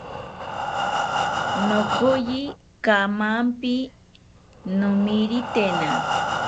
Nokoyi kamanpi nomiritena